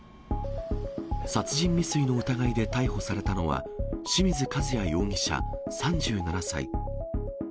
殺人未遂の疑いで逮捕されたのは、清水和也容疑者３７歳。